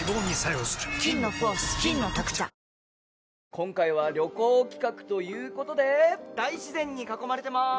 今回は旅行企画ということで大自然に囲まれてます！